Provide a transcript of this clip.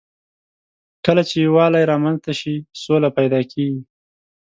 کله چې یووالی رامنځ ته شي، سوله پيدا کېږي.